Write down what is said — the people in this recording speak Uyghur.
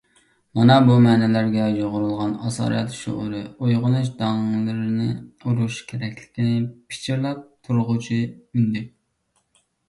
مانا بۇ مەنىلەرگە يۇغۇرۇلغان «ئاسارەت» شۇئۇرى ئويغىنىش داڭلىرىنى ئۇرۇش كېرەكلىكىنى پىچىرلاپ تۇرغۇچى ئۈندەك.